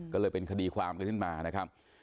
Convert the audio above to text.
ก็เลยเป็นคดีความกันขึ้นมานะครับ